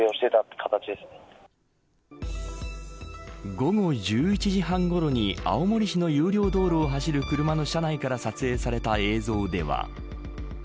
午後１１時半ごろに青森市の有料道路を走る車の車内から撮影された映像では。